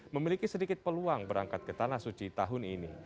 memiliki sedikit peluang berangkat ke tanah suci tahun ini